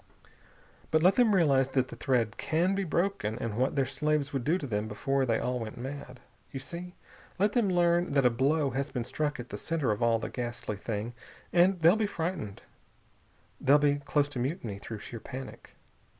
But let them realize that the thread can be broken, and what their slaves would do to them before they all went mad.... You see? Let them learn that a blow has been struck at the center of all the ghastly thing, and they'll be frightened. They'll be close to mutiny through sheer panic.